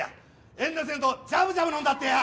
遠慮せんとじゃぶじゃぶ飲んだってや！